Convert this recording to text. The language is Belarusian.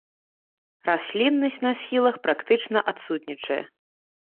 Расліннасць на схілах практычна адсутнічае.